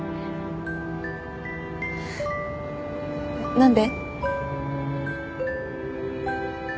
何で？